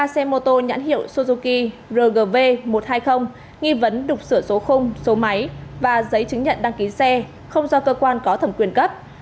ba xe mô tô nhãn hiệu suzuki rgv một trăm hai mươi nghi vấn đục sửa số khung số máy và giấy chứng nhận đăng ký xe không do cơ quan có thẩm quyền cấp